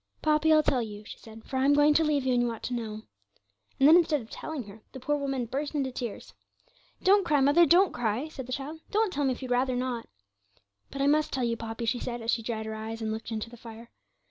'Poppy, I'll tell you,' she said, 'for I am going to leave you, and you ought to know.' And then, instead of telling her, the poor woman burst into tears. 'Don't cry, mother, don't cry,' said the child; 'don't tell me if you'd rather not.' 'But I must tell you, Poppy,' she said, as she dried her eyes and looked into the fire.